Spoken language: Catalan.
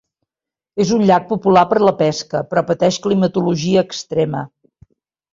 És un llac popular per la pesca, però pateix climatologia extrema.